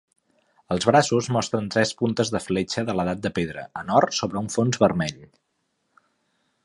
Els braços mostren tres puntes de fletxa de l'edat de pedra en or sobre un fons vermell.